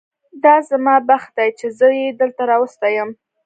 دا زما بد بخت دی چې زه یې دلته راوستی یم.